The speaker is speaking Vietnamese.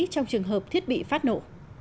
trong trường hợp thiết bị phát nổ